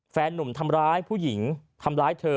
แฟนนุ่มทำร้ายผู้หญิงทำร้ายเธอ